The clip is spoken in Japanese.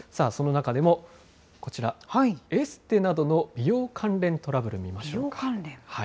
その中でも、こちら、エステなどの美容関連トラブル見ましょうか。